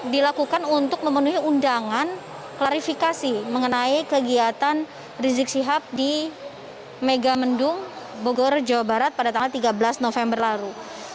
dilakukan untuk memenuhi undangan klarifikasi mengenai kegiatan rizik sihab di megamendung bogor jawa barat pada tanggal tiga belas november lalu